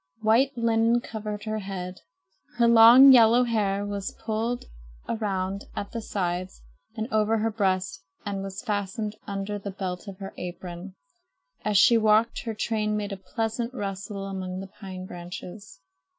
White linen covered her head. Her long yellow hair was pulled around at the sides and over her breast and was fastened under the belt of her apron. As she walked, her train made a pleasant rustle among the pine branches.